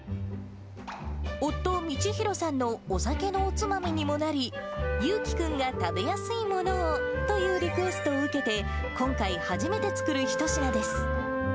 夫、みちひろさんのお酒のおつまみにもなり、由貴くんが食べやすいものをというリクエストを受けて、今回初めて作る一品です。